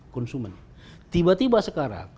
konsumen tiba tiba sekarang